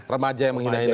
remaja yang menghina hina